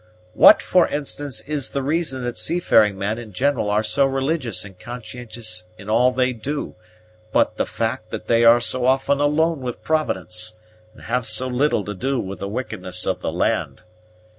What, for instance, is the reason that seafaring men in general are so religious and conscientious in all they do, but the fact that they are so often alone with Providence, and have so little to do with the wickedness of the land.